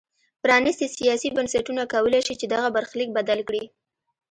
پرانیستي سیاسي بنسټونه کولای شي چې دغه برخلیک بدل کړي.